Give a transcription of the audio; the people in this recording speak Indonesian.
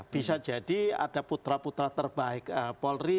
bisa jadi ada putra putra terbaik polri